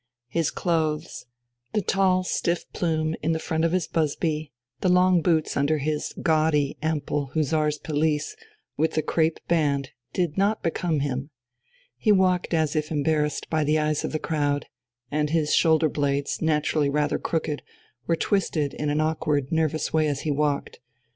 His clothes, the tall stiff plume in the front of his busby, the long boots under his gaudy, ample Hussar's pelisse, with the crape band, did not become him. He walked as if embarrassed by the eyes of the crowd, and his shoulder blades, naturally rather crooked, were twisted in an awkward nervous way as he walked.